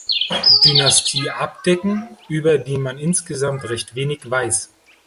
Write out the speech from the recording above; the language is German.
Dynastie abdecken, über die man insgesamt recht wenig weiss.